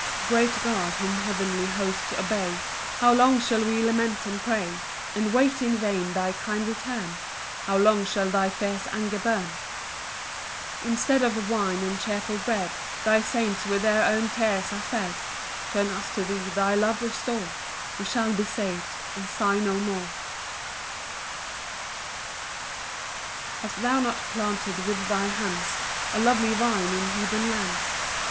3 Great God, whom heavenly hosts obey, How long shall we lament and pray, And wait in vain thy kind return? How long shall thy fierce anger burn? 4 Instead of wine and cheerful bread, Thy saints with their own tears are fed; Turn us to thee, thy love restore, We shall be sav'd, and sigh no more. PAUSE I. 5 Hast thou not planted with thy hands A lovely vine in heathen lands?